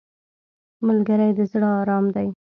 ملګری د زړه ارام دی